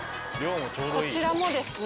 こちらもですね